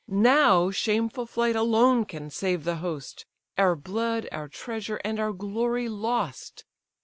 Now shameful flight alone can save the host, Our blood, our treasure, and our glory lost.